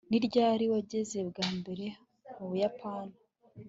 Ni ryari wageze bwa mbere mu Buyapani